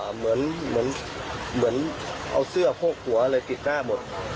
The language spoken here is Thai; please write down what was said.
เหมือนเอาเสื้อโพกหัวอะไรติดหน้าหมด